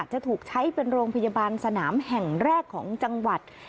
จะถูกใช้เป็นโรงพยาบาลสนามแห่งแรกของจังหวัด